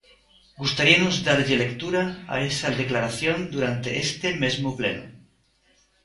Gustaríanos darlle lectura a esa declaración durante este mesmo pleno.